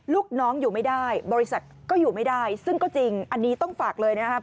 ลูกน้องอยู่ไม่ได้บริษัทก็อยู่ไม่ได้ซึ่งก็จริงอันนี้ต้องฝากเลยนะครับ